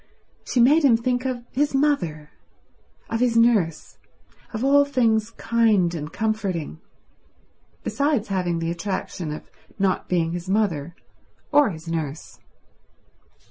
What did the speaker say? She made him think of his mother, of his nurse, of all things kind and comforting, besides having the attraction of not being his mother or his nurse.